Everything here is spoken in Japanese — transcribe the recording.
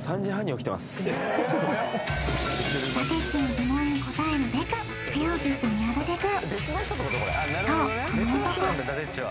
だてっちの疑問に答えるべく早起きした宮舘くん